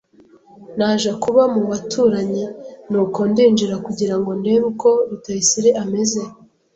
Naje kuba mu baturanyi, nuko ndinjira kugira ngo ndebe uko Rutayisire ameze.